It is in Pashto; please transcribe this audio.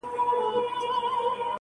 پکښی پورته به د خپل بلال آذان سي٫